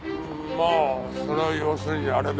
あそれは要するにあれだ。